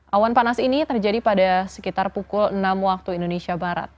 awan panas ini terjadi pada sekitar pukul enam waktu indonesia barat